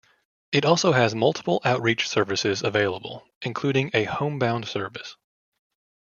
It also has multiple outreach services available, including a homebound service.